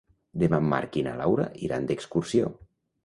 Demà en Marc i na Laura iran d'excursió.